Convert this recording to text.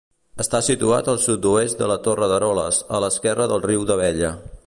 Està situat al sud-oest de la Torre d'Eroles, a l'esquerra del riu d'Abella.